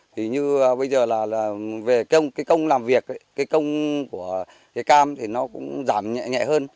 thì như bây giờ là về cái công làm việc cái công của cái cam thì nó cũng giảm nhẹ hơn